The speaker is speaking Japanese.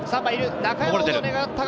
中山も狙ったが。